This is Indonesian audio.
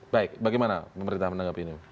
baik bagaimana pemerintah menanggapi ini